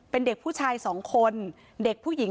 พนักงานในร้าน